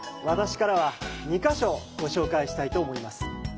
私からは２カ所ご紹介したいと思います。